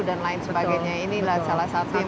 dan lain sebagainya inilah salah satu yang